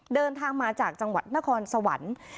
เดินทางมาจากจังหวัดนครสวรรค์